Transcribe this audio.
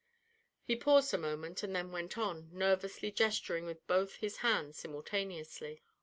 He paused a moment, and then went on, nervously gesturing with both his hands simultaneously.